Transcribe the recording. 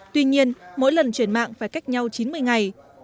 tuy nhiên mỗi lần chuyển mạng phải cách nhau chín mươi ngày